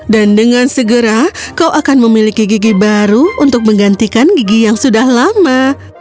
dan dengan segera kau akan memiliki gigi baru untuk menggantikan gigi yang sudah lama